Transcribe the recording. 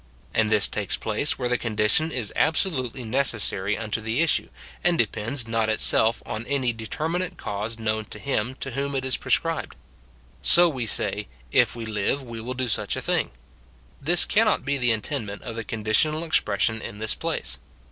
And this takes place where the condition is absolutely neces SIN IN BELIEVERS. 147 sary unto tlie issue, and depends not itself on any deter minate cause known to him to whom it is prescribed. So we say, "If wc live, we Avill do such a thing." This cannot be the intendment of the conditional expression in this place.